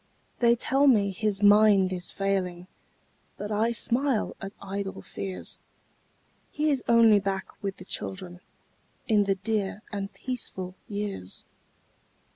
They tell me his mind is failing, But I smile at idle fears; He is only back with the children, In the dear and peaceful years.